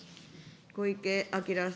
小池晃さん。